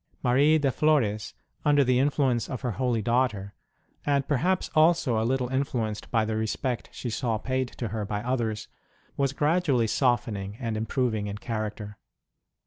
Marie de Flores, under the influence of her holy daughter, and perhaps also a little influenced by the respect she saw paid to her by others, was gradually softening and improving in character.